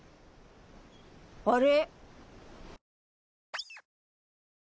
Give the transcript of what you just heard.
あれ？